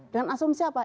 dengan asumsi apa